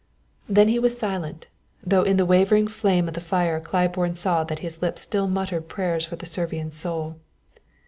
"_ Then he was silent, though in the wavering flame of the fire Claiborne saw that his lips still muttered prayers for the Servian's soul.